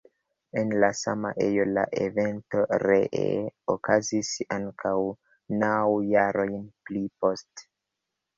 En la sama ejo la evento ree okazis ankaŭ naŭ jarojn pli poste.